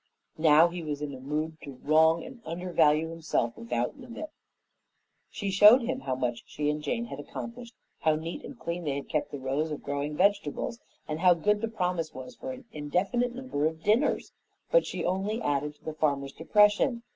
Now he was in a mood to wrong and undervalue himself without limit. She showed him how much she and Jane had accomplished, how neat and clean they had kept the rows of growing vegetables, and how good the promise was for an indefinite number of dinners, but she only added to the farmer's depression.